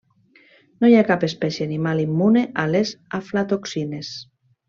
No hi ha cap espècie animal immune a les aflatoxines.